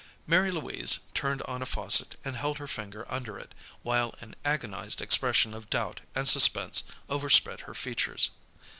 Mary Louise turned on a faucet and held her finger under it, while an agonized expression of doubt and suspense overspread her features.